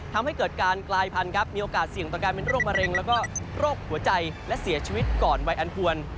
ทำให้เกิดการกลายพันธุ์มีโอกาสเสี่ยงต่อการเป็นโรคมะเร็งแล้วก็โรคหัวใจและเสียชีวิตก่อนวัยอันควร